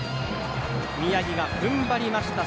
宮城が踏ん張りました。